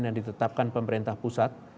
yang ditetapkan pemerintah pusat